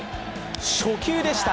初球でした。